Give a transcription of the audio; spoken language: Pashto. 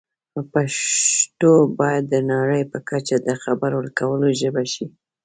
پښتو باید د نړۍ په کچه د خبرو کولو ژبه شي.